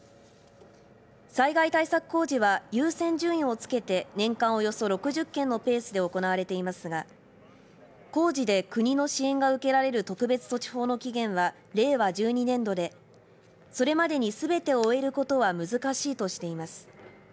災害対策工事は優先順位をつけて年間およそ６０件のペースで行われていますが工事で国の支援が受けられる特別措置法の期限は令和１２年度でそれまでにすべてを終えることは難しいとしています。